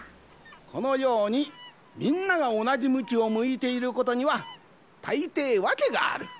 このようにみんながおなじむきをむいていることにはたいていわけがある。